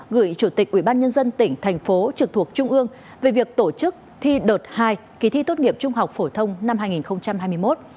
gửi chủ tịch ubnd tỉnh thành phố trực thuộc trung ương về việc tổ chức thi đợt hai kỳ thi tốt nghiệp trung học phổ thông năm hai nghìn hai mươi một